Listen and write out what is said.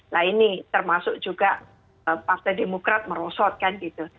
nah ini termasuk juga partai demokrat merosot kan gitu